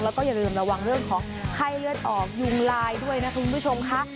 แล้วก็อย่าลืมระวังเรื่องของไข้เลือดออกยุงลายด้วยนะคุณผู้ชมค่ะ